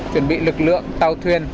chuẩn bị lực lượng tàu thuyền